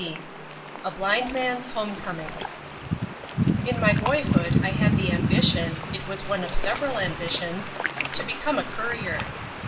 XV A BLIND MAN'S HOME COMING In my boyhood I had the ambition it was one of several ambitions to become a courier.